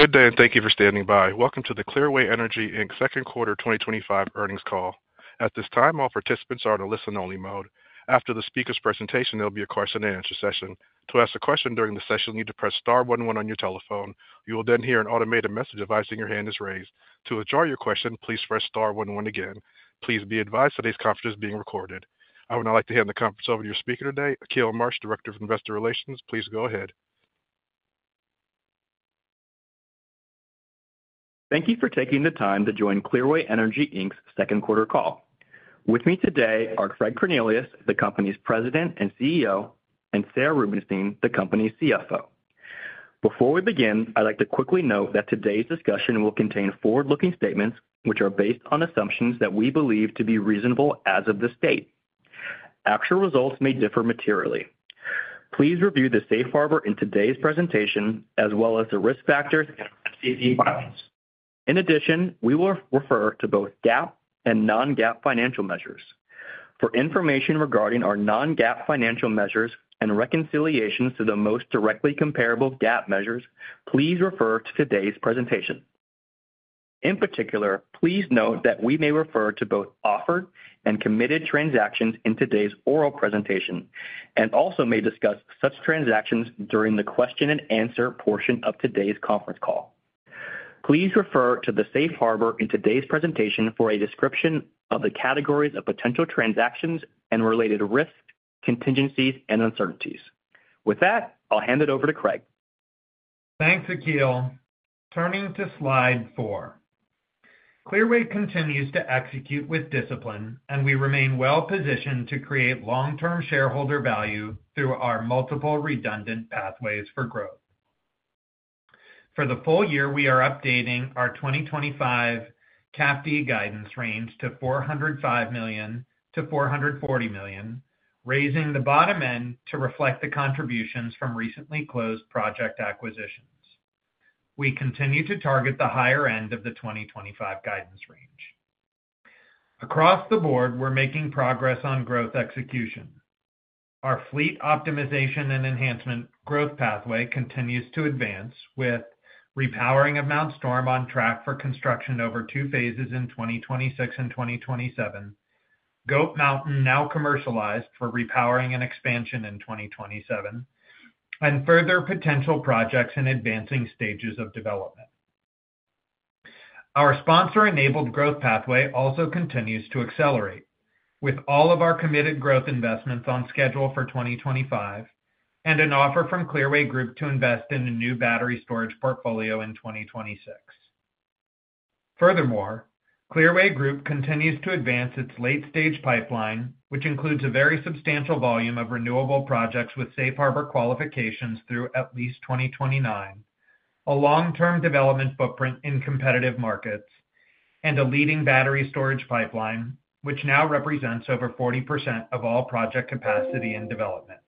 Good day and thank you for standing by. Welcome to the Clearway Energy, Inc. Second Quarter 2025 Earnings Call. At this time, all participants are in a listen-only mode. After the speaker's presentation, there will be a question-and-answer session. To ask a question during the session, you need to press star one one on your telephone. You will then hear an automated message advising your hand is raised. To withdraw your question, please press star one one again. Please be advised today's conference is being recorded. I would now like to hand the conference over to your speaker today, Akil Marsh, Director of Investor Relations. Please go ahead. Thank you for taking the time to join Clearway Energy, Inc.'s Second Quarter Call. With me today are Craig Cornelius, the company's President and CEO, and Sarah Rubenstein, the company's CFO. Before we begin, I'd like to quickly note that today's discussion will contain forward-looking statements, which are based on assumptions that we believe to be reasonable as of this date. Actual results may differ materially. Please review the safe harbor in today's presentation, as well as the risk factors and SEC filings. In addition, we will refer to both GAAP and non-GAAP financial measures. For information regarding our non-GAAP financial measures and reconciliations to the most directly comparable GAAP measures, please refer to today's presentation. In particular, please note that we may refer to both offered and committed transactions in today's oral presentation, and also may discuss such transactions during the question-and-answer portion of today's conference call. Please refer to the safe harbor in today's presentation for a description of the categories of potential transactions and related risks, contingencies, and uncertainties. With that, I'll hand it over to Craig. Thanks, Akil. Turning to slide four. Clearway continues to execute with discipline, and we remain well-positioned to create long-term shareholder value through our multiple redundant pathways for growth. For the full year, we are updating our 2025 CAFD guidance range to $405 million-$440 million, raising the bottom end to reflect the contributions from recently closed project acquisitions. We continue to target the higher end of the 2025 guidance range. Across the board, we're making progress on growth execution. Our fleet optimization and enhancement growth pathway continues to advance, with repowering of Mt. Storm on track for construction over two phases in 2026 and 2027, Goat Mountain now commercialized for repowering and expansion in 2027, and further potential projects in advancing stages of development. Our sponsor-enabled growth pathway also continues to accelerate, with all of our committed growth investments on schedule for 2025, and an offer from Clearway Group to invest in the new battery storage portfolio in 2026. Furthermore, Clearway Group continues to advance its late-stage pipeline, which includes a very substantial volume of renewable projects with safe harbor qualifications through at least 2029, a long-term development footprint in competitive markets, and a leading battery storage pipeline, which now represents over 40% of all project capacity in development.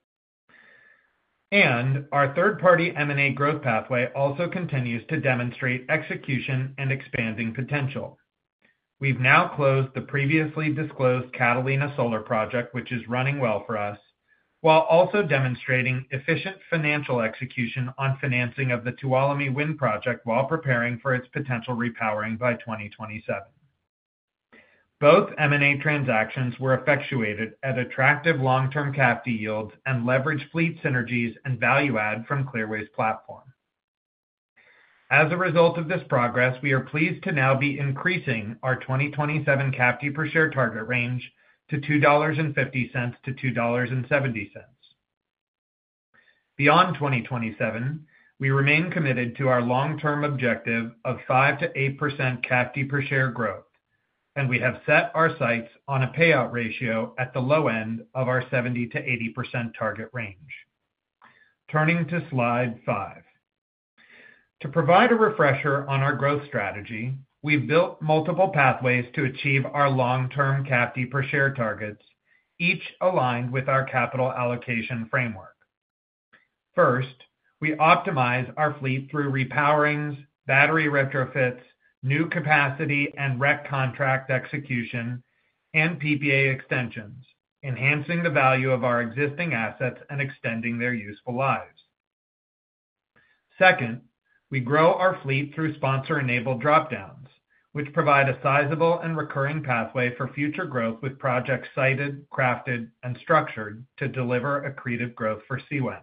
Our third-party M&A growth pathway also continues to demonstrate execution and expanding potential. We've now closed the previously disclosed Catalina Solar project, which is running well for us, while also demonstrating efficient financial execution on financing of the Tuolumne Wind project while preparing for its potential repowering by 2027. Both M&A transactions were effectuated at attractive long-term CAFD yields and leveraged fleet synergies and value add from Clearway's platform. As a result of this progress, we are pleased to now be increasing our 2027 CAFD per share target range to $2.50-$2.70. Beyond 2027, we remain committed to our long-term objective of 5%-8% CAFD per share growth, and we have set our sights on a payout ratio at the low end of our 70%-80% target range. Turning to slide five. To provide a refresher on our growth strategy, we've built multiple pathways to achieve our long-term CAFD per share targets, each aligned with our capital allocation framework. First, we optimize our fleet through repowerings, battery retrofits, new capacity, REC contract execution, and PPA extensions, enhancing the value of our existing assets and extending their useful lives. Second, we grow our fleet through sponsor-enabled dropdowns, which provide a sizable and recurring pathway for future growth with projects sited, crafted, and structured to deliver accretive growth for CWEN.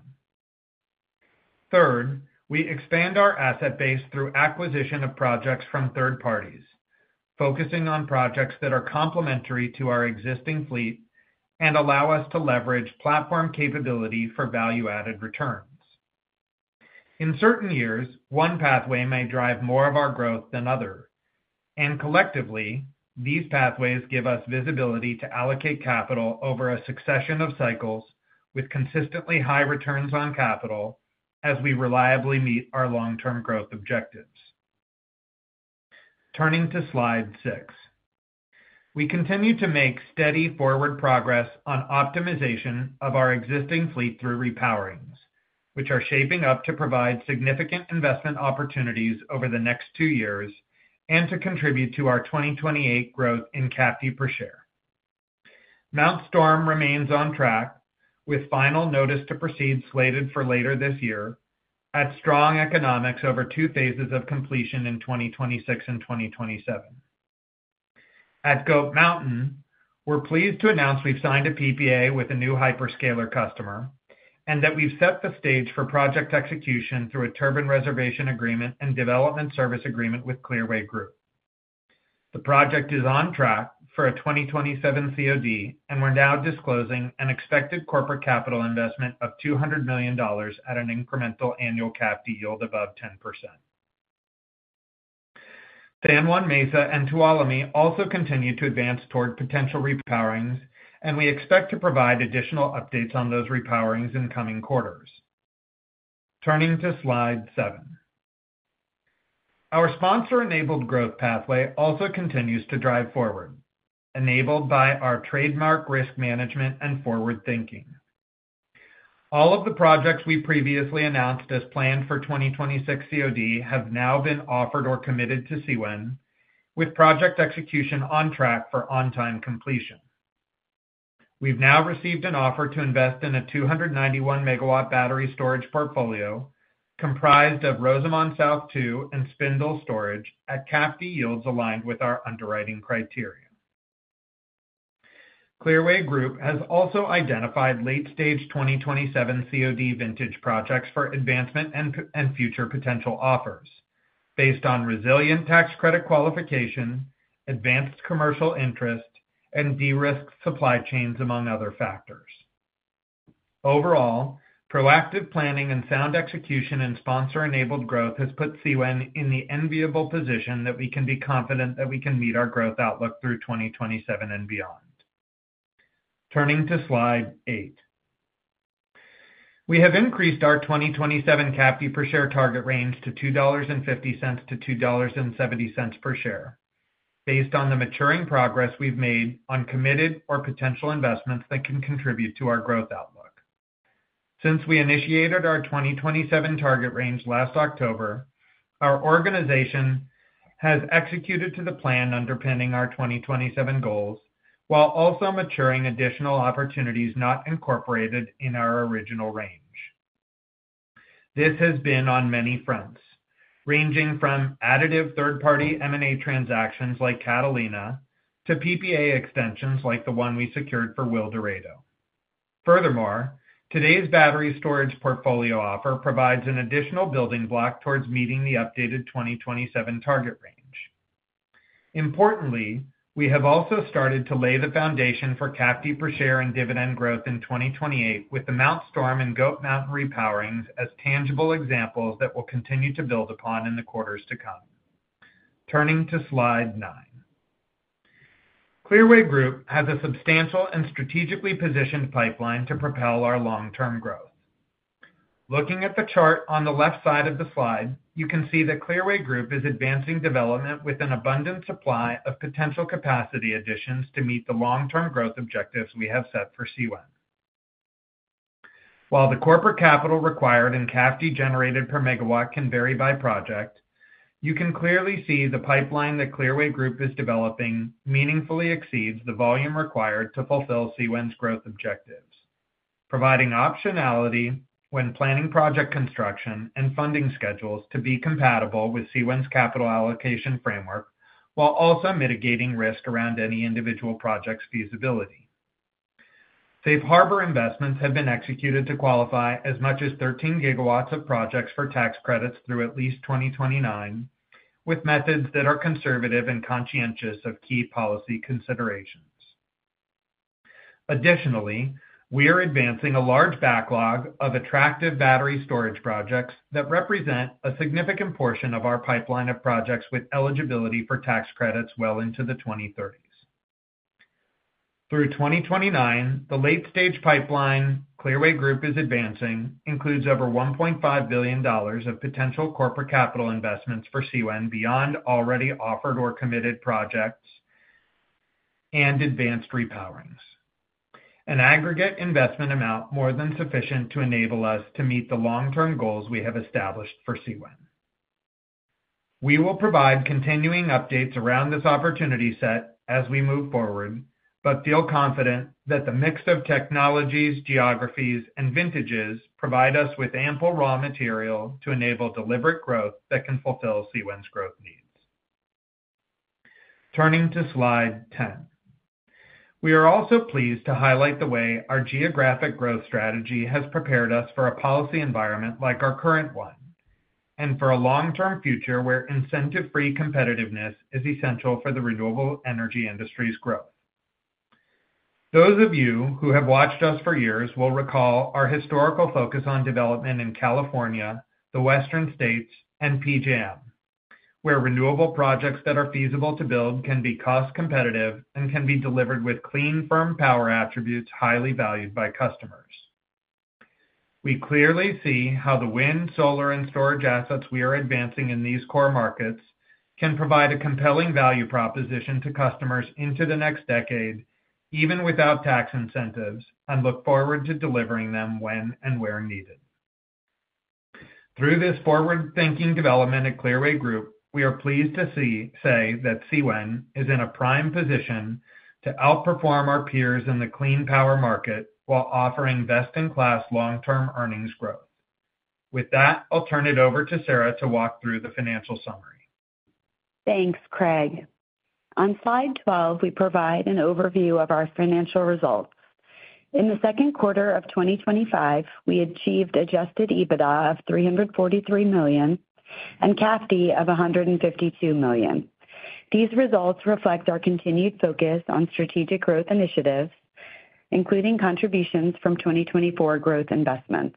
Third, we expand our asset base through acquisition of projects from third parties, focusing on projects that are complementary to our existing fleet and allow us to leverage platform capability for value-added returns. In certain years, one pathway may drive more of our growth than others, and collectively, these pathways give us visibility to allocate capital over a succession of cycles with consistently high returns on capital as we reliably meet our long-term growth objectives. Turning to slide six, we continue to make steady forward progress on optimization of our existing fleet through repowerings, which are shaping up to provide significant investment opportunities over the next two years and to contribute to our 2028 growth in CAFD per share. Mt. Storm remains on track, with final notice to proceed slated for later this year, at strong economics over two phases of completion in 2026 and 2027. At Goat Mountain, we're pleased to announce we've signed a PPA with a new hyperscaler customer and that we've set the stage for project execution through a turbine reservation agreement and development service agreement with Clearway Group. The project is on track for a 2027 COD, and we're now disclosing an expected corporate capital investment of $200 million at an incremental annual CAFD yield above 10%. Fan 1, Mesa, and Tuolumne also continue to advance toward potential repowerings, and we expect to provide additional updates on those repowerings in coming quarters. Turning to slide seven. Our sponsor-enabled growth pathway also continues to drive forward, enabled by our trademark risk management and forward thinking. All of the projects we previously announced as planned for 2026 COD have now been offered or committed to CWEN, with project execution on track for on-time completion. We've now received an offer to invest in a 291 MW battery storage portfolio comprised of Rosamond South 2 and Spindle Storage at CAFD yields aligned with our underwriting criteria. Clearway Group has also identified late-stage 2027 COD vintage projects for advancement and future potential offers based on resilient tax credit qualification, advanced commercial interest, and de-risked supply chains, among other factors. Overall, proactive planning and sound execution in sponsor-enabled growth has put CWEN in the enviable position that we can be confident that we can meet our growth outlook through 2027 and beyond. Turning to slide eight, we have increased our 2027 CAFD per share target range to $2.50-$2.70 per share, based on the maturing progress we've made on committed or potential investments that can contribute to our growth outlook. Since we initiated our 2027 target range last October, our organization has executed to the plan underpinning our 2027 goals, while also maturing additional opportunities not incorporated in our original range. This has been on many fronts, ranging from additive third-party M&A transactions like Catalina to PPA extensions like the one we secured for Willdorado. Furthermore, today's battery storage portfolio offer provides an additional building block towards meeting the updated 2027 target range. Importantly, we have also started to lay the foundation for CAFD per share and dividend growth in 2028, with the Mt. Storm and Goat Mountain repowerings as tangible examples that we will continue to build upon in the quarters to come. Turning to slide nine, Clearway Group has a substantial and strategically positioned pipeline to propel our long-term growth. Looking at the chart on the left side of the slide, you can see that Clearway Group is advancing development with an abundant supply of potential capacity additions to meet the long-term growth objectives we have set for CWEN. While the corporate capital required and CAFD generated per megawatt can vary by project, you can clearly see the pipeline that Clearway Group is developing meaningfully exceeds the volume required to fulfill CWEN's growth objectives, providing optionality when planning project construction and funding schedules to be compatible with CWEN's capital allocation framework, while also mitigating risk around any individual project's feasibility. Safe harbor investments have been executed to qualify as much as 13 GW of projects for tax credits through at least 2029, with methods that are conservative and conscientious of key policy considerations. Additionally, we are advancing a large backlog of attractive battery storage projects that represent a significant portion of our pipeline of projects with eligibility for tax credits well into the 2030s. Through 2029, the late-stage pipeline Clearway Group is advancing includes over $1.5 billion of potential corporate capital investments for CWEN beyond already offered or committed projects and advanced repowerings, an aggregate investment amount more than sufficient to enable us to meet the long-term goals we have established for CWEN. We will provide continuing updates around this opportunity set as we move forward, but feel confident that the mix of technologies, geographies, and vintages provides us with ample raw material to enable deliberate growth that can fulfill CWEN's growth needs. Turning to slide 10, we are also pleased to highlight the way our geographic growth strategy has prepared us for a policy environment like our current one and for a long-term future where incentive-free competitiveness is essential for the renewable energy industry's growth. Those of you who have watched us for years will recall our historical focus on development in California, the western states, and PJM, where renewable projects that are feasible to build can be cost-competitive and can be delivered with clean, firm power attributes highly valued by customers. We clearly see how the wind, solar, and storage assets we are advancing in these core markets can provide a compelling value proposition to customers into the next decade, even without tax incentives, and look forward to delivering them when and where needed. Through this forward-thinking development at Clearway Group, we are pleased to say that CWEN is in a prime position to outperform our peers in the clean power market while offering best-in-class long-term earnings growth. With that, I'll turn it over to Sarah to walk through the financial summary. Thanks, Craig. On slide 12, we provide an overview of our financial results. In the second quarter of 2025, we achieved adjusted EBITDA of $343 million and CAFD of $152 million. These results reflect our continued focus on strategic growth initiatives, including contributions from 2024 growth investments.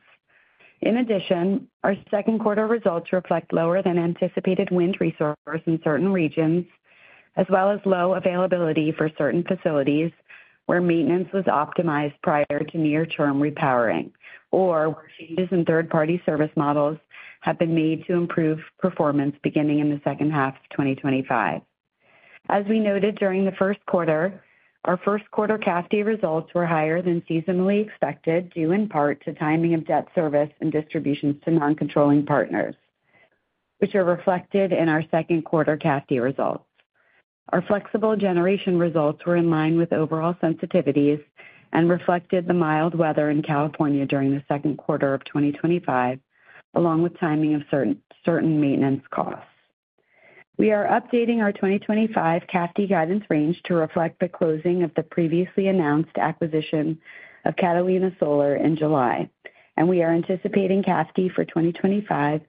In addition, our second quarter results reflect lower-than-anticipated wind resource in certain regions, as well as low availability for certain facilities where maintenance was optimized prior to near-term repowering or where changes in third-party service models have been made to improve performance beginning in the second half of 2025. As we noted during the first quarter, our first quarter CAFD results were higher than seasonally expected, due in part to timing of debt service and distributions to non-controlling partners, which are reflected in our second quarter CAFD results. Our flexible generation results were in line with overall sensitivities and reflected the mild weather in California during the second quarter of 2025, along with timing of certain maintenance costs. We are updating our 2025 CAFD guidance range to reflect the closing of the previously announced acquisition of Catalina Solar in July, and we are anticipating CAFD for 2025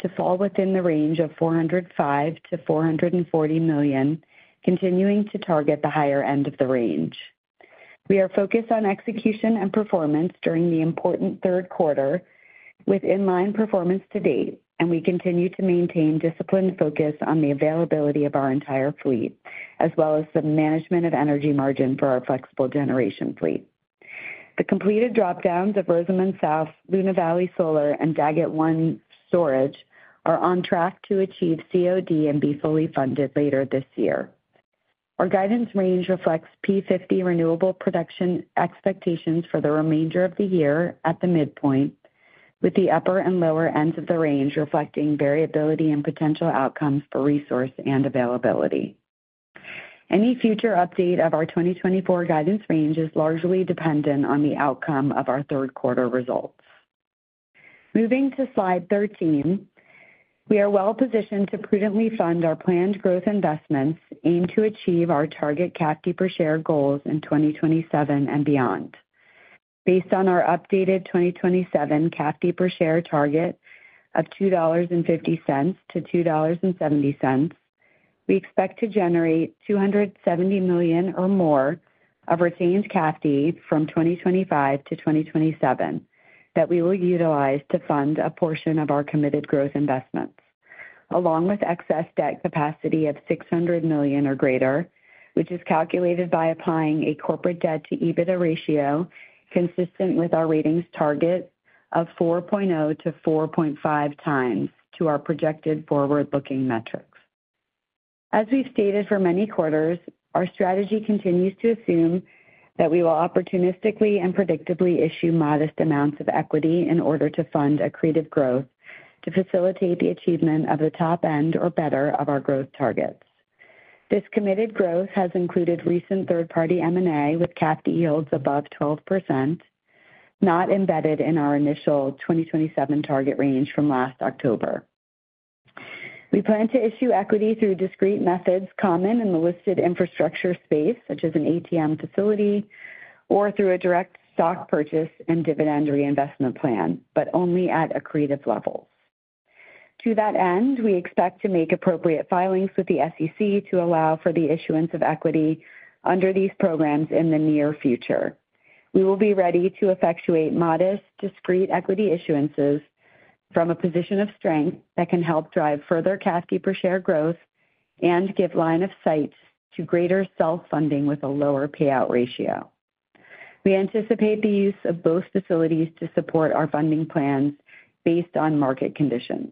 to fall within the range of $405 million-$440 million, continuing to target the higher end of the range. We are focused on execution and performance during the important third quarter, with in-line performance to date, and we continue to maintain disciplined focus on the availability of our entire fleet, as well as the management of energy margin for our flexible generation fleet. The completed dropdowns of Rosamond South, Luna Valley Solar, and Daggett One Storage are on track to achieve COD and be fully funded later this year. Our guidance range reflects P50 renewable production expectations for the remainder of the year at the midpoint, with the upper and lower ends of the range reflecting variability and potential outcomes for resource and availability. Any future update of our 2024 guidance range is largely dependent on the outcome of our third quarter results. Moving to slide 13, we are well-positioned to prudently fund our planned growth investments aimed to achieve our target CAFD per share goals in 2027 and beyond. Based on our updated 2027 CAFD per share target of $2.50-$2.70, we expect to generate $270 million or more of retained CAFD from 2025-2027 that we will utilize to fund a portion of our committed growth investments, along with excess debt capacity of $600 million or greater, which is calculated by applying a corporate debt-to-EBITDA ratio consistent with our rating's target of 4.0x-4.5x to our projected forward-looking metrics. As we've stated for many quarters, our strategy continues to assume that we will opportunistically and predictably issue modest amounts of equity in order to fund accretive growth to facilitate the achievement of the top end, or better, of our growth targets. This committed growth has included recent third-party M&A with CAFD yields above 12%, not embedded in our initial 2027 target range from last October. We plan to issue equity through discrete methods common in the listed infrastructure space, such as an ATM facility or through a direct stock purchase and dividend reinvestment plan, but only at accretive levels. To that end, we expect to make appropriate filings with the SEC to allow for the issuance of equity under these programs in the near future. We will be ready to effectuate modest, discrete equity issuances from a position of strength that can help drive further CAFD per share growth and give line of sight to greater self-funding with a lower payout ratio. We anticipate the use of both facilities to support our funding plan based on market conditions.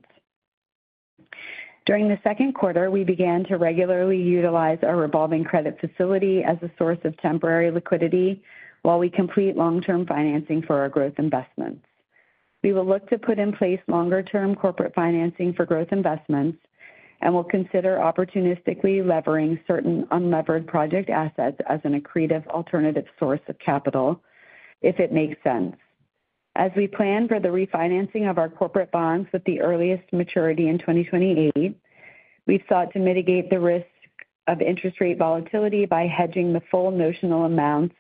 During the second quarter, we began to regularly utilize our revolving credit facility as a source of temporary liquidity while we complete long-term financing for our growth investments. We will look to put in place longer-term corporate financing for growth investments and will consider opportunistically levering certain unlevered project assets as an accretive alternative source of capital if it makes sense. As we plan for the refinancing of our corporate bonds with the earliest maturity in 2028, we've sought to mitigate the risk of interest rate volatility by hedging the full notional amounts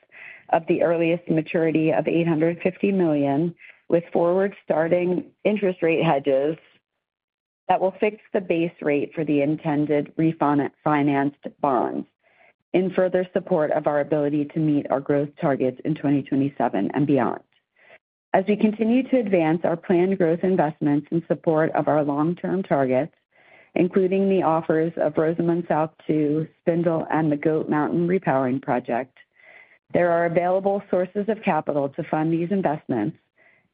of the earliest maturity of $850 million with forward-starting interest rate hedges that will fix the base rate for the intended refinanced bond in further support of our ability to meet our growth targets in 2027 and beyond. As we continue to advance our planned growth investments in support of our long-term targets, including the offers of Rosamond South 2, Spindle and the Goat Mountain repowering project, there are available sources of capital to fund these investments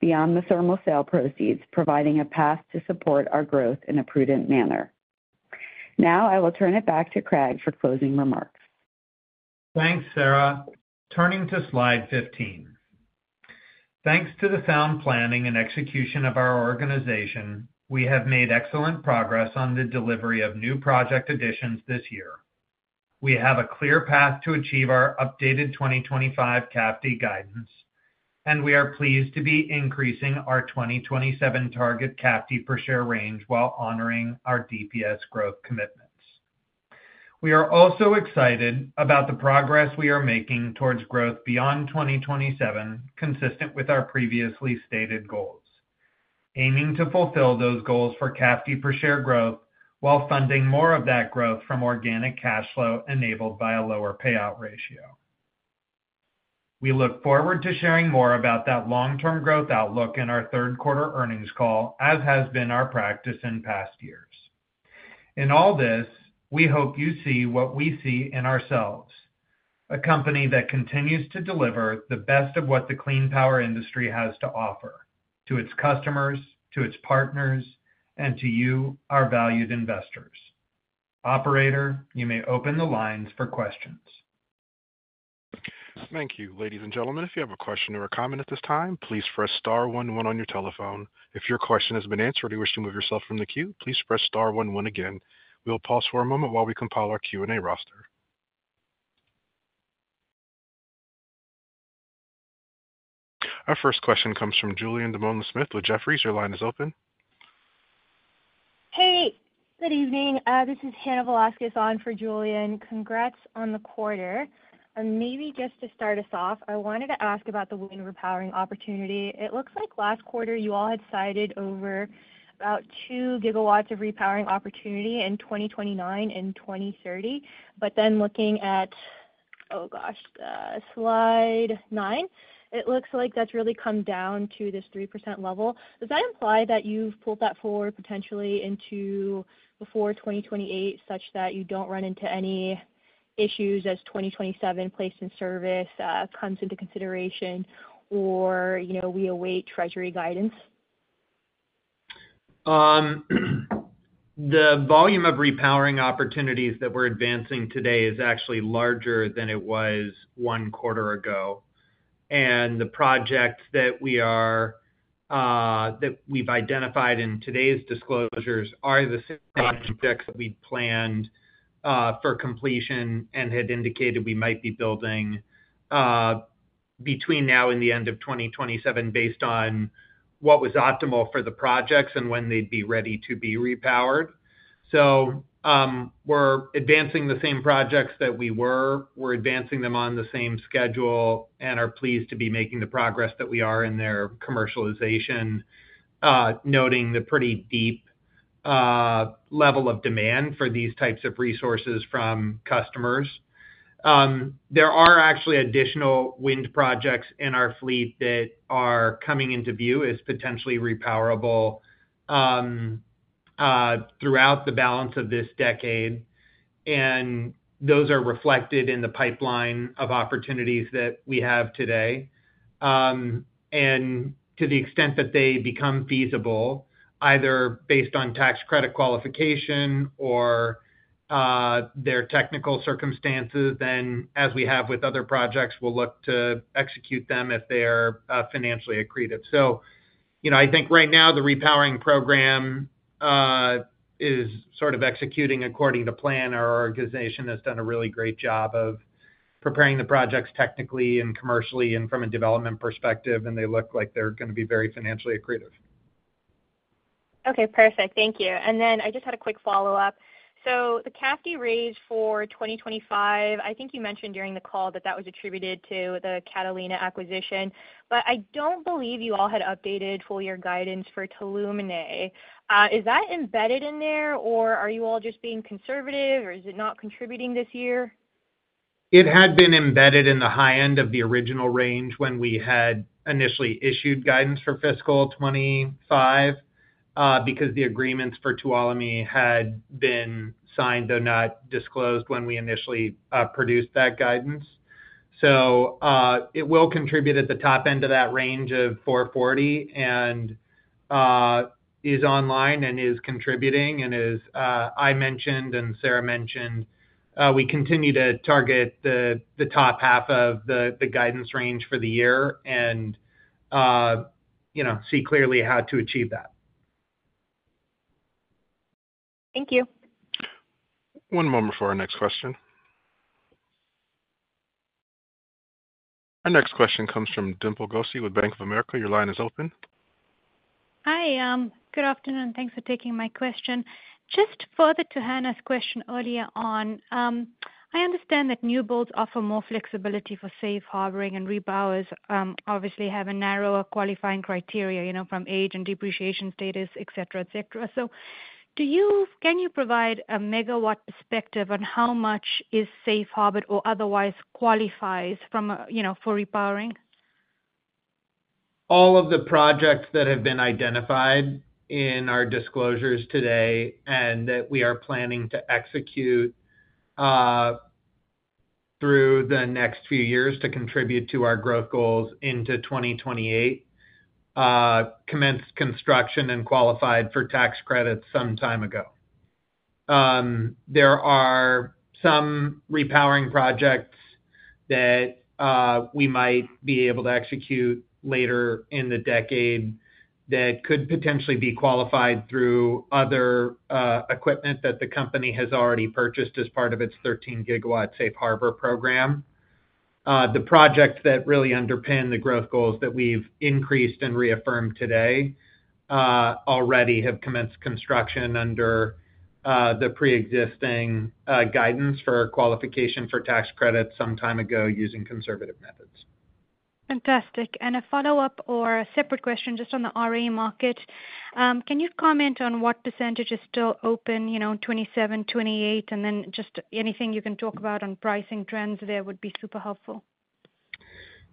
beyond the thermal sale proceeds, providing a path to support our growth in a prudent manner. Now, I will turn it back to Craig for closing remarks. Thanks, Sarah. Turning to slide 15. Thanks to the sound planning and execution of our organization, we have made excellent progress on the delivery of new project additions this year. We have a clear path to achieve our updated 2025 CAFD guidance, and we are pleased to be increasing our 2027 target CAFD per share range while honoring our DPS growth commitments. We are also excited about the progress we are making towards growth beyond 2027, consistent with our previously stated goals, aiming to fulfill those goals for CAFD per share growth while funding more of that growth from organic cash flow enabled by a lower payout ratio. We look forward to sharing more about that long-term growth outlook in our third quarter earnings call, as has been our practice in past years. In all this, we hope you see what we see in ourselves: a company that continues to deliver the best of what the clean power industry has to offer to its customers, to its partners, and to you, our valued investors. Operator, you may open the lines for questions. Thank you, ladies and gentlemen. If you have a question or a comment at this time, please press star one one on your telephone. If your question has been answered or you wish to move yourself from the queue, please press star one one again. We'll pause for a moment while we compile our Q&A roster. Our first question comes from Julianne Dumoulin-Smith with Jefferies. Your line is open. Hey, good evening. This is Hannah Marie Velásquez on for Julianne. Congrats on the quarter. Maybe just to start us off, I wanted to ask about the wind repowering opportunity. It looks like last quarter you all had cited over about 2 GW of repowering opportunity in 2029 and 2030. Looking at, oh gosh, slide nine, it looks like that's really come down to this 3% level. Does that imply that you've pulled that forward potentially into before 2028, such that you don't run into any issues as 2027 placed in service comes into consideration or, you know, we await Treasury guidance? The volume of repowering opportunities that we're advancing today is actually larger than it was one quarter ago. The projects that we've identified in today's disclosures are the same projects that we planned for completion and had indicated we might be building between now and the end of 2027 based on what was optimal for the projects and when they'd be ready to be repowered. We're advancing the same projects that we were, we're advancing them on the same schedule, and are pleased to be making the progress that we are in their commercialization, noting the pretty deep level of demand for these types of resources from customers. There are actually additional wind projects in our fleet that are coming into view as potentially repowerable throughout the balance of this decade. Those are reflected in the pipeline of opportunities that we have today. To the extent that they become feasible, either based on tax credit qualification or their technical circumstances, then as we have with other projects, we'll look to execute them if they are financially accretive. I think right now the repowering program is sort of executing according to plan. Our organization has done a really great job of preparing the projects technically and commercially and from a development perspective, and they look like they're going to be very financially accretive. Okay, perfect. Thank you. I just had a quick follow-up. The CAFD range for 2025, I think you mentioned during the call that that was attributed to the Catalina acquisition, but I don't believe you all had updated full-year guidance for Tuolumne. Is that embedded in there, or are you all just being conservative, or is it not contributing this year? It had been embedded in the high end of the original range when we had initially issued guidance for fiscal 2025 because the agreements for Tuolumne had been signed, though not disclosed, when we initially produced that guidance. It will contribute at the top end of that range of $440, and is online and is contributing. As I mentioned and Sarah mentioned, we continue to target the top half of the guidance range for the year and, you know, see clearly how to achieve that. Thank you. One moment for our next question. Our next question comes from Dimple Gosai with Bank of America. Your line is open. Hi. Good afternoon. Thanks for taking my question. Just further to Hannah's question earlier on, I understand that new builds offer more flexibility for safe harboring, and repowers obviously have a narrower qualifying criteria, you know, from age and depreciation status, etc. Can you provide a megawatt perspective on how much is safe harbored or otherwise qualifies for repowering? All of the projects that have been identified in our disclosures today and that we are planning to execute through the next few years to contribute to our growth goals into 2028 commenced construction and qualified for tax credits some time ago. There are some repowering projects that we might be able to execute later in the decade that could potentially be qualified through other equipment that the company has already purchased as part of its 13 GW safe harbor program. The projects that really underpin the growth goals that we've increased and reaffirmed today already have commenced construction under the pre-existing guidance for qualification for tax credits some time ago using conservative methods. Fantastic. A follow-up or a separate question just on the RA market. Can you comment on what percantage is still open, you know, 2027, 2028, and then just anything you can talk about on pricing trends there would be super helpful.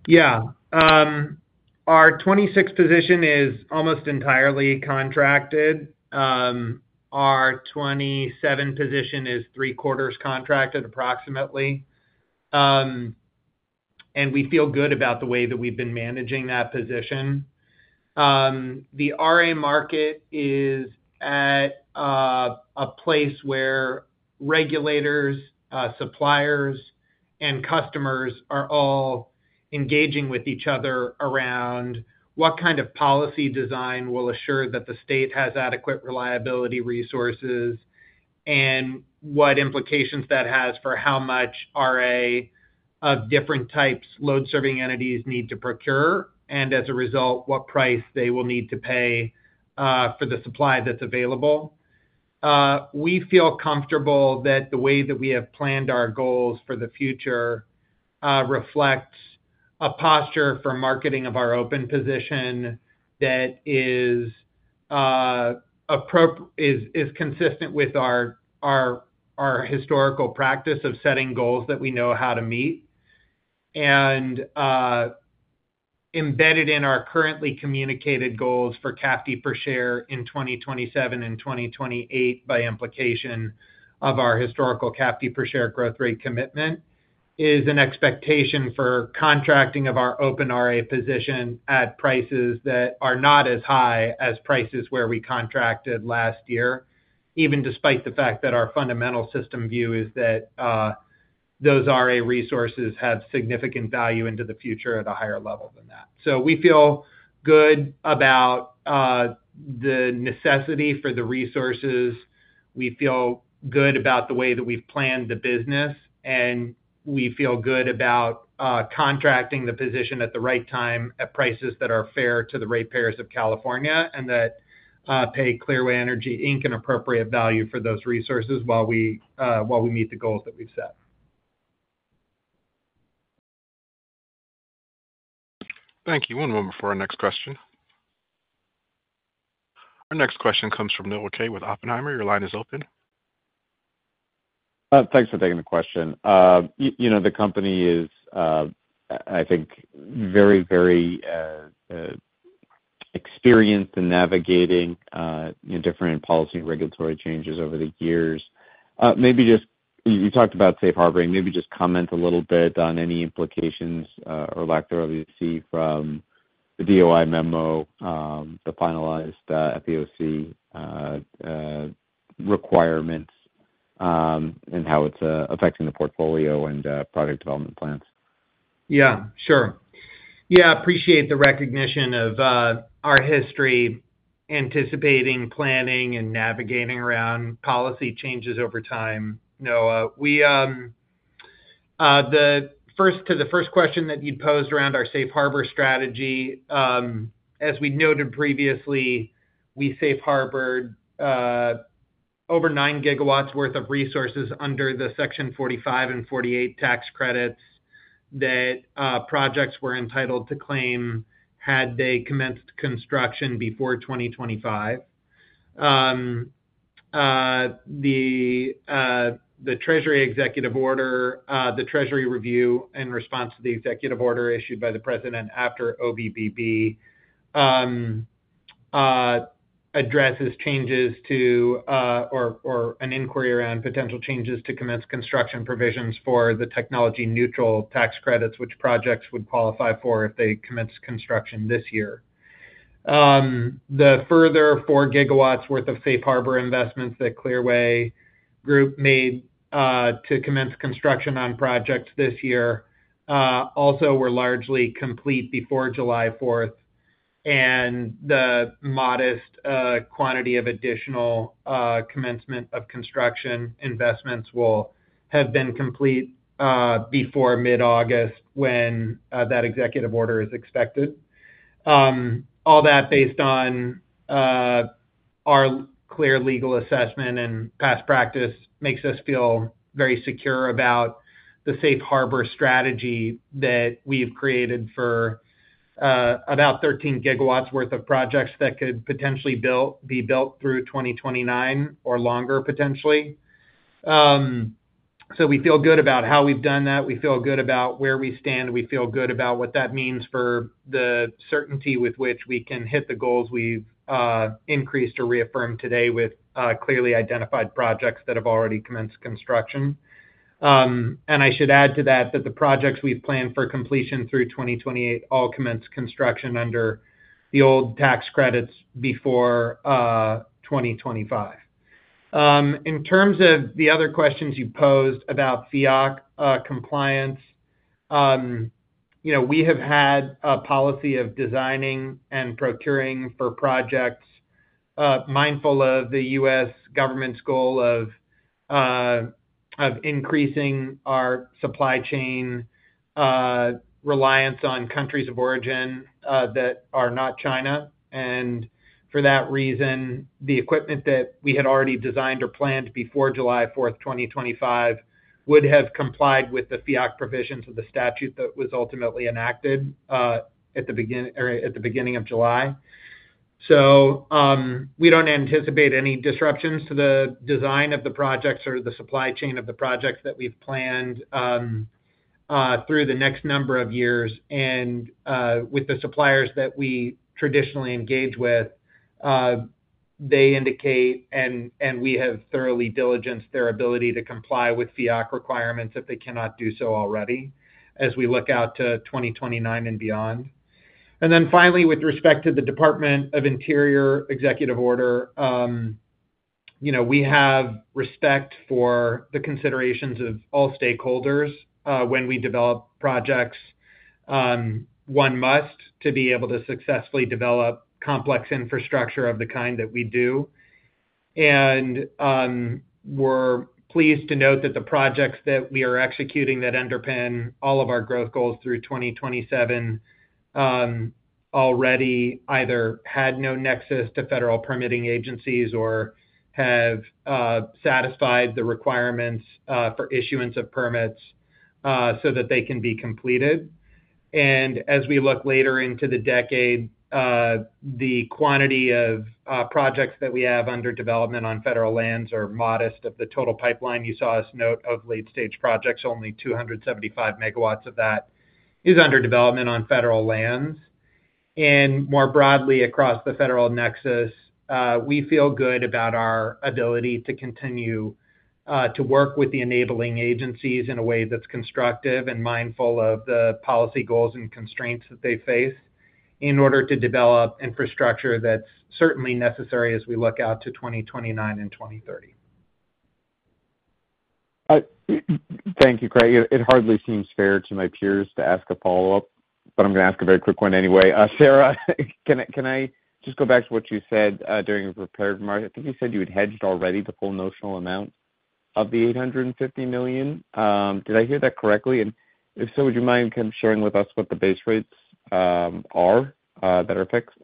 Yeah. Our 2026 position is almost entirely contracted. Our 2027 position is three-quarters contracted, approximately. We feel good about the way that we've been managing that position. The RA market is at a place where regulators, suppliers, and customers are all engaging with each other around what kind of policy design will assure that the state has adequate reliability resources and what implications that has for how much RA of different types load-serving entities need to procure, and as a result, what price they will need to pay for the supply that's available. We feel comfortable that the way that we have planned our goals for the future reflects a posture for marketing of our open position that is consistent with our historical practice of setting goals that we know how to meet. Embedded in our currently communicated goals for CAFD per share in 2027 and 2028, by implication of our historical CAFD per share growth rate commitment, is an expectation for contracting of our open RA position at prices that are not as high as prices where we contracted last year, even despite the fact that our fundamental system view is that those RA resources have significant value into the future at a higher level than that. We feel good about the necessity for the resources. We feel good about the way that we've planned the business, and we feel good about contracting the position at the right time at prices that are fair to the ratepayers of California and that pay Clearway Energy, Inc. an appropriate value for those resources while we meet the goals that we've set. Thank you. One moment for our next question. Our next question comes from Noah Kaye with Oppenheimer. Your line is open. Thanks for taking the question. The company is, I think, very, very experienced in navigating different policy and regulatory changes over the years. Maybe just, you talked about safe harboring. Maybe just comment a little bit on any implications or lack thereof you see from the DOI memo, the finalized FEOC requirements, and how it's affecting the portfolio and project development plans. Yeah, sure. I appreciate the recognition of our history, anticipating, planning, and navigating around policy changes over time, Noah. The first question that you'd posed around our safe harbor strategy, as we noted previously, we safe harbored over 9 GW worth of resources under the Section 45 and 48 tax credits that projects were entitled to claim had they commenced construction before 2025. The Treasury Executive Order, the Treasury review in response to the executive order issued by the president after OVBB, addresses changes to, or an inquiry around potential changes to, commence construction provisions for the technology-neutral tax credits, which projects would qualify for if they commenced construction this year. The further 4 GW worth of safe harbor investments that Clearway Group made to commence construction on projects this year also were largely complete before July 4th, and the modest quantity of additional commencement of construction investments will have been complete before mid-August when that executive order is expected. All that, based on our clear legal assessment and past practice, makes us feel very secure about the safe harbor strategy that we've created for about 13 GW worth of projects that could potentially be built through 2029 or longer, potentially. We feel good about how we've done that. We feel good about where we stand. We feel good about what that means for the certainty with which we can hit the goals we've increased or reaffirmed today with clearly identified projects that have already commenced construction. I should add to that that the projects we've planned for completion through 2028 all commence construction under the old tax credits before 2025. In terms of the other questions you posed about FEOC compliance, we have had a policy of designing and procuring for projects, mindful of the U.S. government's goal of increasing our supply chain reliance on countries of origin that are not China. For that reason, the equipment that we had already designed or planned before July 4, 2025, would have complied with the FEOC provisions of the statute that was ultimately enacted at the beginning of July. We don't anticipate any disruptions to the design of the projects or the supply chain of the projects that we've planned through the next number of years. With the suppliers that we traditionally engage with, they indicate, and we have thoroughly diligenced their ability to comply with FEOC requirements if they cannot do so already as we look out to 2029 and beyond. Finally, with respect to the Department of Interior Executive Order, we have respect for the considerations of all stakeholders when we develop projects. One must be able to successfully develop complex infrastructure of the kind that we do. We're pleased to note that the projects that we are executing that underpin all of our growth goals through 2027 already either had no nexus to federal permitting agencies or have satisfied the requirements for issuance of permits so that they can be completed. As we look later into the decade, the quantity of projects that we have under development on federal lands are modest of the total pipeline. You saw us note of late-stage projects, only 275 MG of that is under development on federal lands. More broadly, across the federal nexus, we feel good about our ability to continue to work with the enabling agencies in a way that's constructive and mindful of the policy goals and constraints that they face in order to develop infrastructure that's certainly necessary as we look out to 2029 and 2030. Thank you, Craig. It hardly seems fair to my peers to ask a follow-up, but I'm going to ask a very quick one anyway. Sarah, can I just go back to what you said during the prepared remarks? I think you said you had hedged already the full notional amount of the $850 million. Did I hear that correctly? If so, would you mind kind of sharing with us what the base rates are that are fixed?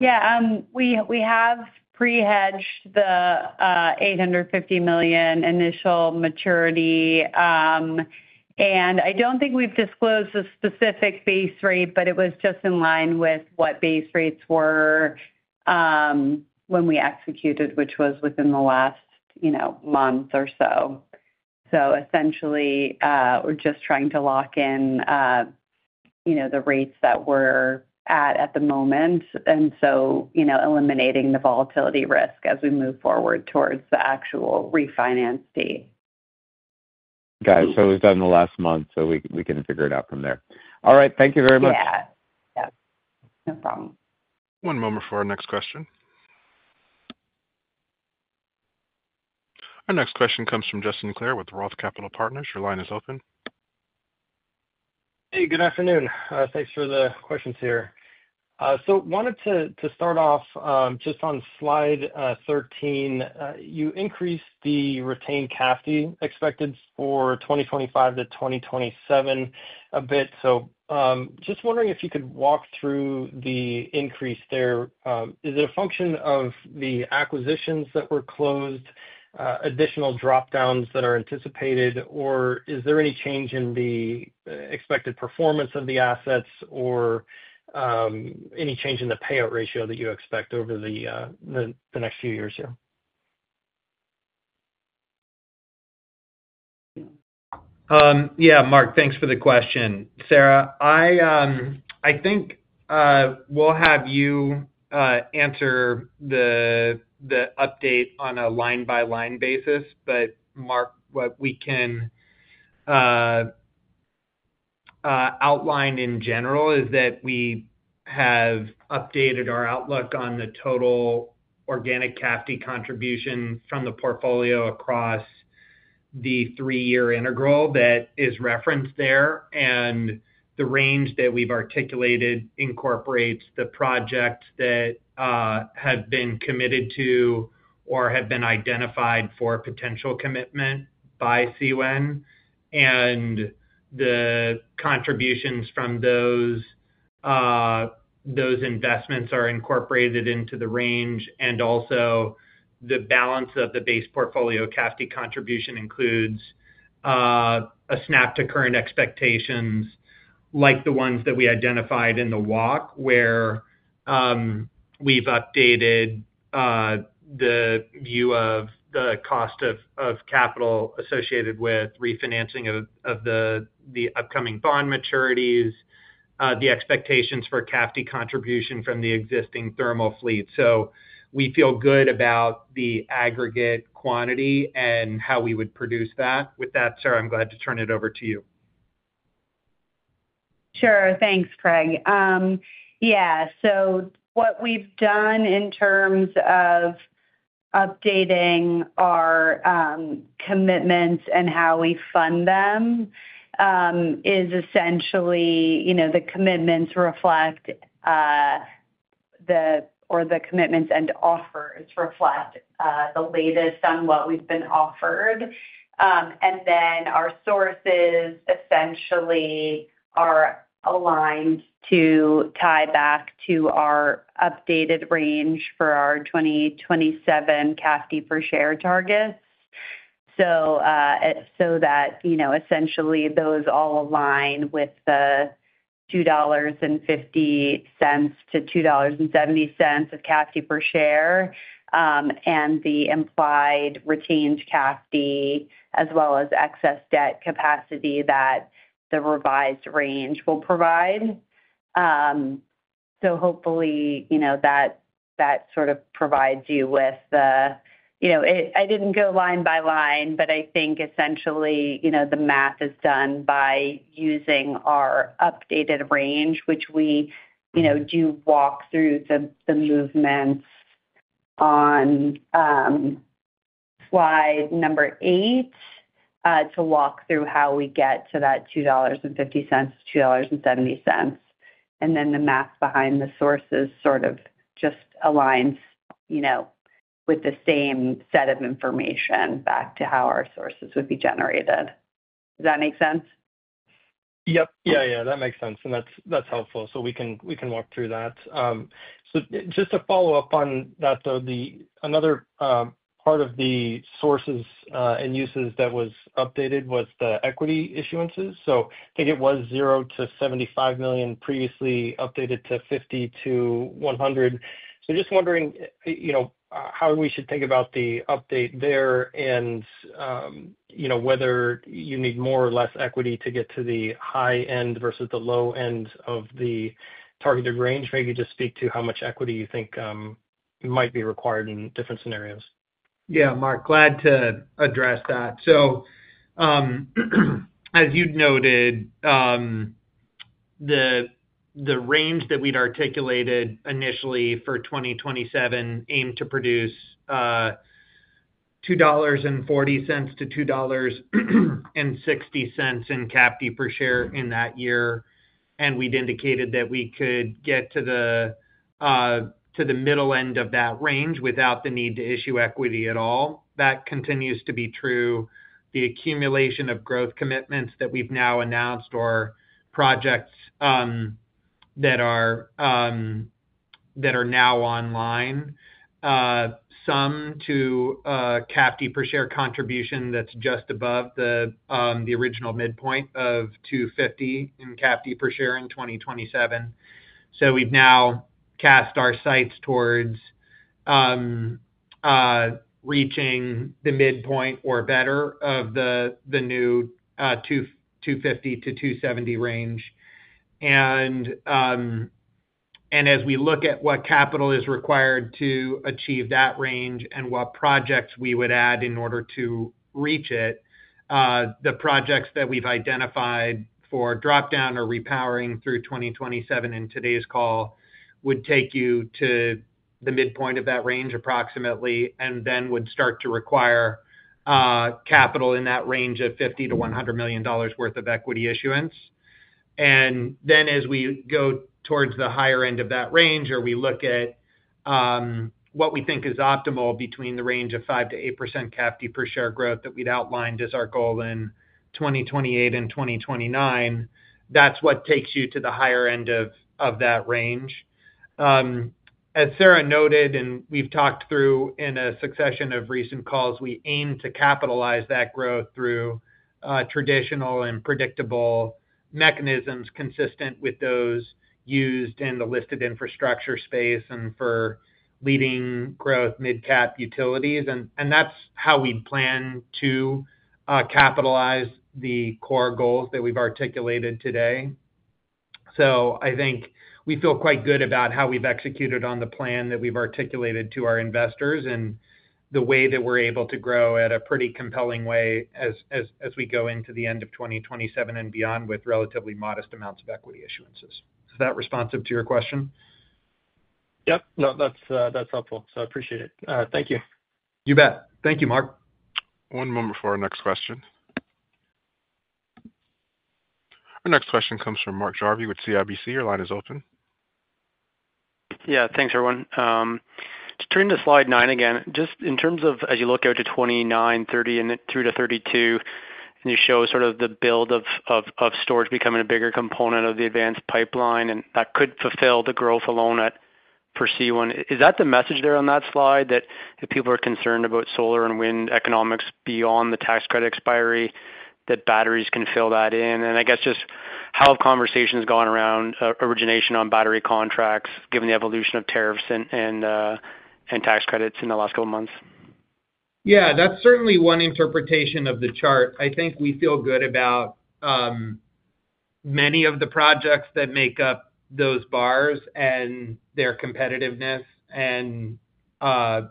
Yeah, we have pre-hedged the $850 million initial maturity. I don't think we've disclosed the specific base rate, but it was just in line with what base rates were when we executed, which was within the last month or so. Essentially, we're just trying to lock in the rates that we're at at the moment, eliminating the volatility risk as we move forward towards the actual refinance fee. Got it. We've done the last month, so we can figure it out from there. All right. Thank you very much. Yeah, no problem. One moment for our next question. Our next question comes from Justin Clare with Roth Capital Partners. Your line is open. Good afternoon. Thanks for the questions here. I wanted to start off just on slide 13. You increased the retained CAFD expected for 2025 to 2027 a bit. I am just wondering if you could walk through the increase there. Is it a function of the acquisitions that were closed, additional dropdowns that are anticipated, or is there any change in the expected performance of the assets, or any change in the payout ratio that you expect over the next few years here? Yeah, Mark, thanks for the question. Sarah, I think we'll have you answer the update on a line-by-line basis. Mark, what we can outline in general is that we have updated our outlook on the total organic CAFD contribution from the portfolio across the three-year integral that is referenced there. The range that we've articulated incorporates the projects that have been committed to or have been identified for potential commitment by CWEN. The contributions from those investments are incorporated into the range. Also, the balance of the base portfolio CAFD contribution includes a snap to current expectations like the ones that we identified in the WOC, where we've updated the view of the cost of capital associated with refinancing of the upcoming bond maturities, the expectations for CAFD contribution from the existing thermal fleet. We feel good about the aggregate quantity and how we would produce that. With that, Sarah, I'm glad to turn it over to you. Sure. Thanks, Craig. What we've done in terms of updating our commitments and how we fund them is essentially, the commitments reflect the or the commitments and offers reflect the latest on what we've been offered. Our sources essentially are aligned to tie back to our updated range for our 2027 CAFD per share targets. Essentially, those all align with the $2.50-$2.70 of CAFD per share and the implied retained CAFD, as well as excess debt capacity that the revised range will provide. Hopefully, that sort of provides you with the, I didn't go line by line, but I think essentially, the math is done by using our updated range, which we do walk through the movements on slide number eight to walk through how we get to that $2.50-$2.70. The math behind the sources just aligns with the same set of information back to how our sources would be generated. Does that make sense? Yeah, that makes sense. That's helpful. We can walk through that. Just to follow up on that, another part of the sources and uses that was updated was the equity issuances. I think it was $0-$75 million previously, updated to $50-$100 million. Just wondering how we should think about the update there and whether you need more or less equity to get to the high end versus the low end of the targeted range. Maybe just speak to how much equity you think might be required in different scenarios. Yeah, Mark, glad to address that. As you noted, the range that we'd articulated initially for 2027 aimed to produce $2.40-$2.60 in CAFD per share in that year. We'd indicated that we could get to the middle end of that range without the need to issue equity at all. That continues to be true. The accumulation of growth commitments that we've now announced or projects that are now online, some to CAFD per share contribution that's just above the original midpoint of $2.50 in CAFD per share in 2027. We've now cast our sights towards reaching the midpoint or better of the new $2.50-$2.70 range. As we look at what capital is required to achieve that range and what projects we would add in order to reach it, the projects that we've identified for dropdown or repowering through 2027 in today's call would take you to the midpoint of that range approximately and then would start to require capital in that range of $50 million-$100 million worth of equity issuance. As we go towards the higher end of that range or we look at what we think is optimal between the range of 5%-8% CAFD per share growth that we'd outlined as our goal in 2028 and 2029, that's what takes you to the higher end of that range. As Sarah noted and we've talked through in a succession of recent calls, we aim to capitalize that growth through traditional and predictable mechanisms consistent with those used in the listed infrastructure space and for leading growth mid-cap utilities. That's how we plan to capitalize the core goals that we've articulated today. I think we feel quite good about how we've executed on the plan that we've articulated to our investors and the way that we're able to grow in a pretty compelling way as we go into the end of 2027 and beyond with relatively modest amounts of equity issuances. Is that responsive to your question? No, that's helpful. I appreciate it. Thank you. You bet. Thank you, Mark. One moment for our next question. Our next question comes from Mark Jarvi with CIBC. Your line is open. Yeah, thanks, everyone. Just turning to slide nine again, in terms of as you look out to 2029, 2030, and through to 2032, you show sort of the build of storage becoming a bigger component of the advanced pipeline, and that could fulfill the growth alone for Clearway Energy, Inc. Is that the message there on that slide, that if people are concerned about solar and wind economics beyond the tax credit expiry, that batteries can fill that in? I guess just how have conversations gone around origination on battery contracts given the evolution of tariffs and tax credits in the last couple of months? Yeah, that's certainly one interpretation of the chart. I think we feel good about many of the projects that make up those bars and their competitiveness and also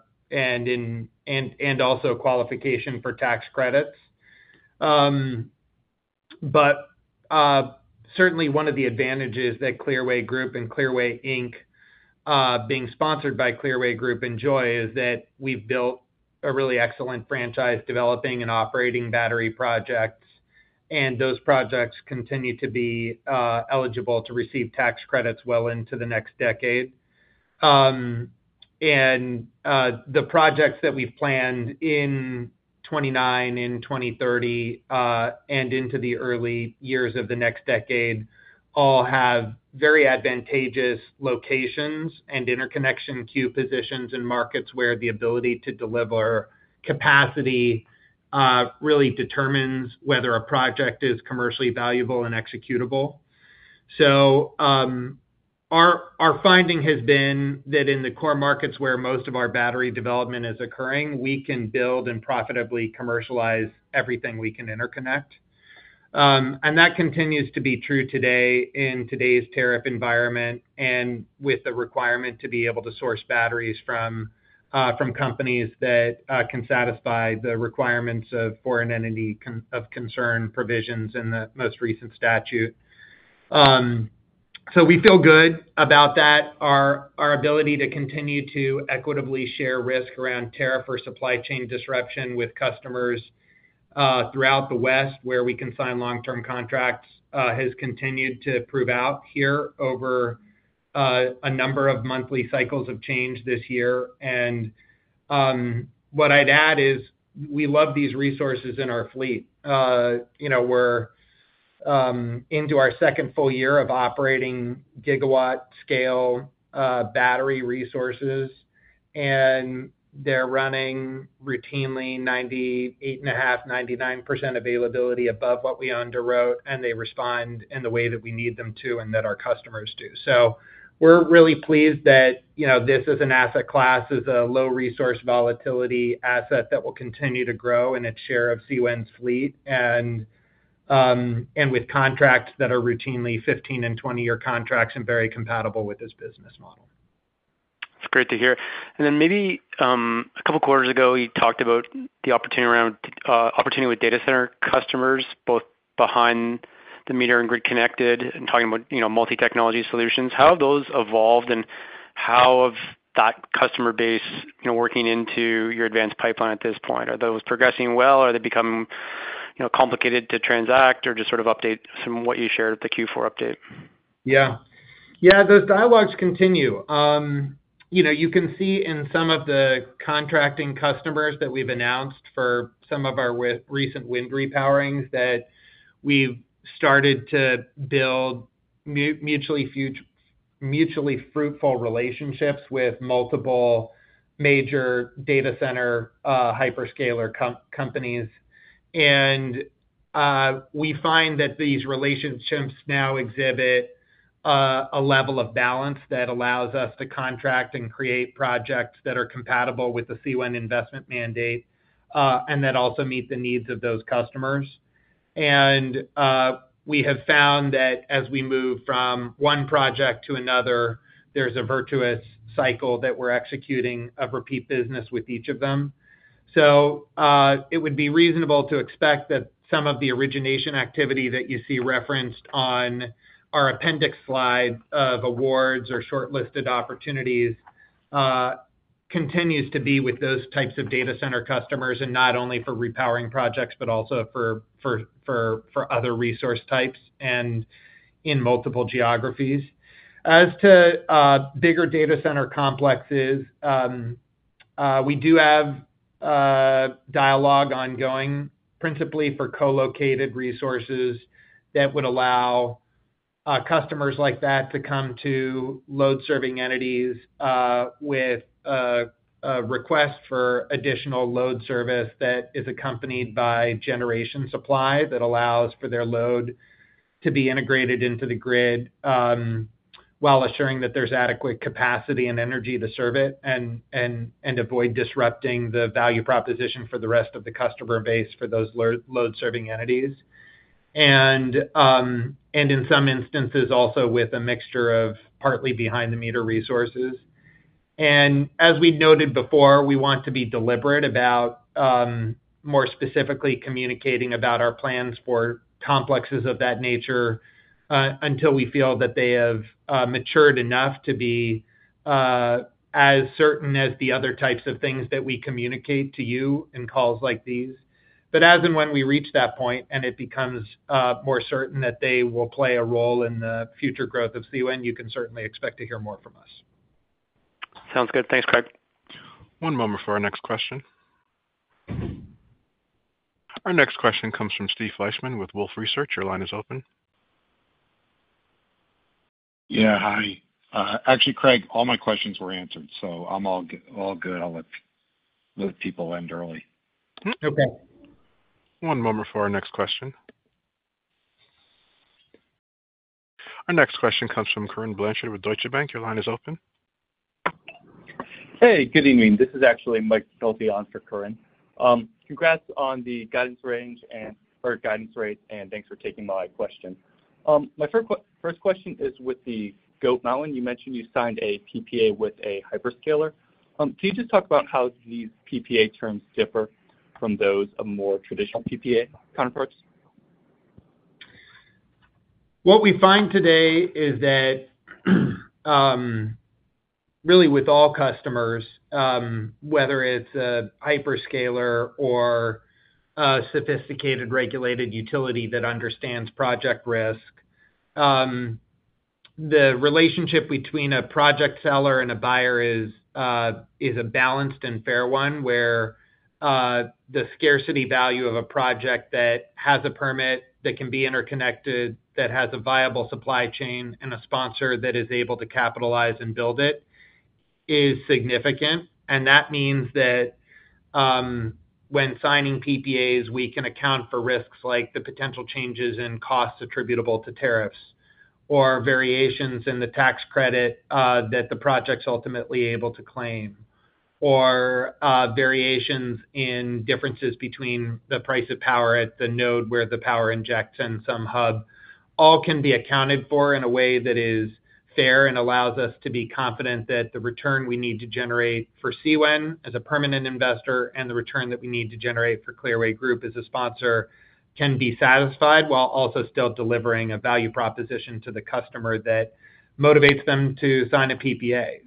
qualification for tax credits. Certainly, one of the advantages that Clearway Group and Clearway Energy, Inc. being sponsored by Clearway Group enjoy is that we've built a really excellent franchise developing and operating battery projects, and those projects continue to be eligible to receive tax credits well into the next decade. The projects that we've planned in 2029, in 2030, and into the early years of the next decade all have very advantageous locations and interconnection queue positions in markets where the ability to deliver capacity really determines whether a project is commercially valuable and executable. Our finding has been that in the core markets where most of our battery development is occurring, we can build and profitably commercialize everything we can interconnect. That continues to be true today in today's tariff environment and with the requirement to be able to source batteries from companies that can satisfy the requirements of foreign entity of concern provisions in the most recent statute. We feel good about that. Our ability to continue to equitably share risk around tariff or supply chain disruption with customers throughout the West where we can sign long-term contracts has continued to prove out here over a number of monthly cycles of change this year. What I'd add is we love these resources in our fleet. We're into our second full year of operating gigawatt-scale battery resources, and they're running routinely 98.5%, 99% availability above what we underwrote, and they respond in the way that we need them to and that our customers do. We're really pleased that this is an asset class, is a low-resource volatility asset that will continue to grow in its share of CWEN's fleet and with contracts that are routinely 15 and 20-year contracts and very compatible with this business model. That's great to hear. A couple of quarters ago, we talked about the opportunity with data center customers, both behind the meter and grid connected, and talking about multi-technology solutions. How have those evolved and how has that customer base, you know, been working into your advanced pipeline at this point? Are those progressing well? Are they becoming, you know, complicated to transact or just sort of an update from what you shared with the Q4 update? Yeah, those dialogues continue. You can see in some of the contracting customers that we've announced for some of our recent wind repowerings that we've started to build mutually fruitful relationships with multiple major data center hyperscaler companies. We find that these relationships now exhibit a level of balance that allows us to contract and create projects that are compatible with the CWEN investment mandate and that also meet the needs of those customers. We have found that as we move from one project to another, there's a virtuous cycle that we're executing of repeat business with each of them. It would be reasonable to expect that some of the origination activity that you see referenced on our appendix slide of awards or shortlisted opportunities continues to be with those types of data center customers and not only for repowering projects, but also for other resource types and in multiple geographies. As to bigger data center complexes, we do have dialogue ongoing, principally for co-located resources that would allow customers like that to come to load-serving entities with a request for additional load service that is accompanied by generation supply that allows for their load to be integrated into the grid while assuring that there's adequate capacity and energy to serve it and avoid disrupting the value proposition for the rest of the customer base for those load-serving entities. In some instances, also with a mixture of partly behind-the-meter resources. As we noted before, we want to be deliberate about more specifically communicating about our plans for complexes of that nature until we feel that they have matured enough to be as certain as the other types of things that we communicate to you in calls like these. As and when we reach that point and it becomes more certain that they will play a role in the future growth of CWEN you can certainly expect to hear more from us. Sounds good. Thanks, Craig. One moment for our next question. Our next question comes from Steven Fleishman with Wolfe Research. Your line is open. Yeah, hi. Actually, Craig, all my questions were answered, so I'm all good. I'll let those people end early. Okay. One moment for our next question. Our next question comes from Corinne Blanchard with Deutsche Bank. Your line is open. Hey, good evening. This is actually Mike Tilley on for Corinne. Congrats on the guidance range and per guidance rate, and thanks for taking my question. My first question is with the Goat Mountain. You mentioned you signed a PPA with a hyperscaler. Can you just talk about how these PPA terms differ from those of more traditional PPA counterparts? What we find today is that really with all customers, whether it's a hyperscaler or a sophisticated regulated utility that understands project risk, the relationship between a project seller and a buyer is a balanced and fair one where the scarcity value of a project that has a permit, that can be interconnected, that has a viable supply chain, and a sponsor that is able to capitalize and build it is significant. That means that when signing power purchase agreements, we can account for risks like the potential changes in costs attributable to tariffs or variations in the tax credit that the project's ultimately able to claim or variations in differences between the price of power at the node where the power injects and some hub all can be accounted for in a way that is fair and allows us to be confident that the return we need to generate for CWEN as a permanent investor and the return that we need to generate for Clearway Group as a sponsor can be satisfied while also still delivering a value proposition to the customer that motivates them to sign a PPA.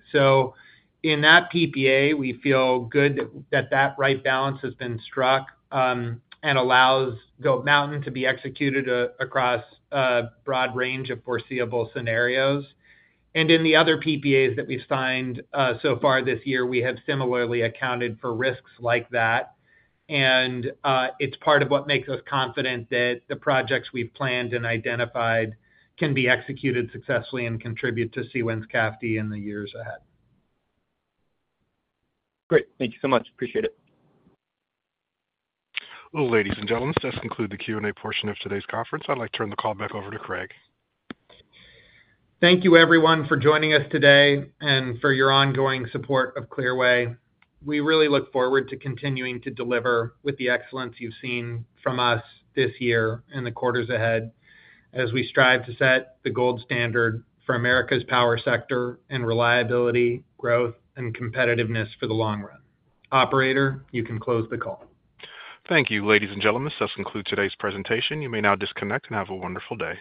In that PPA, we feel good that that right balance has been struck and allows Goat Mountain to be executed across a broad range of foreseeable scenarios. In the other power purchase agreements that we've signed so far this year, we have similarly accounted for risks like that. It's part of what makes us confident that the projects we've planned and identified can be executed successfully and contribute to CWEN's CAFD in the years ahead. Great, thank you so much. Appreciate it. Ladies and gentlemen, this does conclude the Q&A portion of today's conference. I'd like to turn the call back over to Craig. Thank you, everyone, for joining us today and for your ongoing support of Clearway. We really look forward to continuing to deliver with the excellence you've seen from us this year and the quarters ahead as we strive to set the gold standard for America's power sector in reliability, growth, and competitiveness for the long run. Operator, you can close the call. Thank you, ladies and gentlemen. This does conclude today's presentation. You may now disconnect and have a wonderful day.